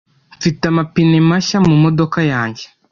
Mfite amapine mashya mumodoka yanjye.